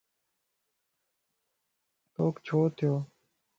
توکَ ڇو ٿيوَ؟